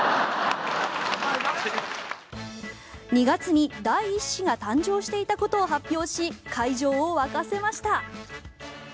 ２月に第１子が誕生していたことを発表し会場を沸かせました。